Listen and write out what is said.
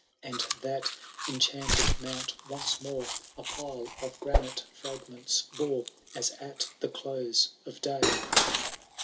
And that enchanted moimt once more A pile of granite fragments bore. As at the close of day.